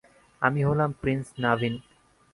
আমি হলাম প্রিন্স নাভিন।